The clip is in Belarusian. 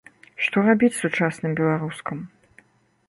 Што рабіць сучасным беларускам?